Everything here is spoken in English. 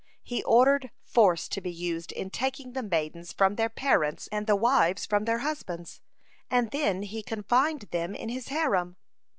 He ordered force to be used in taking the maidens from their parents and the wives from their husbands, and then he confined them in his harem.